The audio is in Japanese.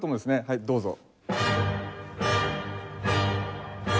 はいどうぞ。